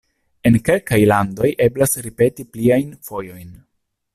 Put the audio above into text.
En kelkaj landoj eblas ripeti pliajn fojojn.